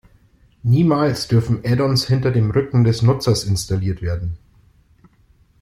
Niemals dürfen Add-ons hinter dem Rücken des Nutzers installiert werden.